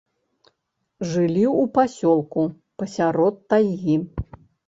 Жылі ў пасёлку, пасярод тайгі.